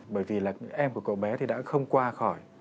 bởi vì là em của cậu bé thì đã không qua khỏi